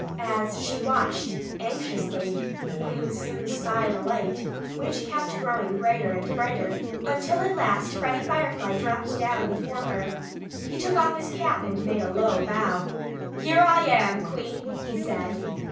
As she watched anxiously, the Queen soon spied a light, which kept growing brighter and brighter, until at last Freddie Firefly dropped down before her. He took off his cap and made a low bow. "Here I am, Queen!" he said.